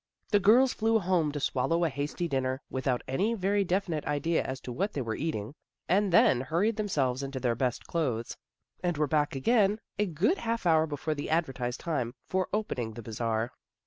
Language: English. The girls flew home to swallow a hasty dinner, without any very definite idea as to what they were eating, and then hurried themselves into their best clothes, and were back again a good half hour before the advertised time for open ing the Bazar.